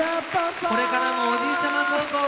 これからもおじいちゃま孝行を！